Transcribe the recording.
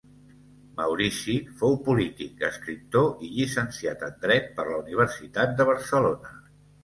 Maurici fou polític, escriptor i llicenciat en dret per la Universitat de Barcelona.